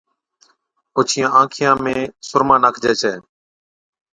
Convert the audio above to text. اوڇِيان آنکيان ۾ سُرما ناکجَي ڇَي